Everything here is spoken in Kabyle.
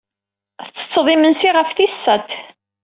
Tettetteḍ imensi ɣef tis sat.